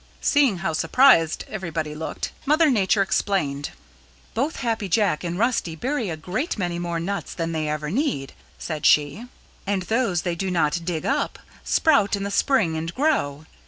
Seeing how surprised everybody looked, Mother Nature explained. "Both Happy Jack and Rusty bury a great many more nuts than they ever need," said she, "and those they do not dig up sprout in the spring and grow.